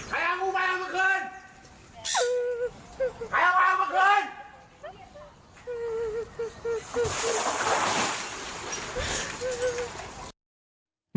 ใครเอางูไปเอามาเกินใครเอาอ้าวมาเกิน